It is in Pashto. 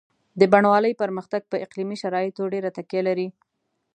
د بڼوالۍ پرمختګ په اقلیمي شرایطو ډېره تکیه لري.